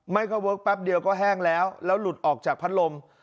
เข้าเวิร์คแป๊บเดียวก็แห้งแล้วแล้วหลุดออกจากพัดลม